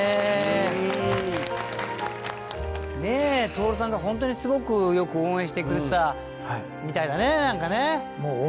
うん！ねえ徹さんが本当にすごくよく応援してくれてたみたいだねなんかね。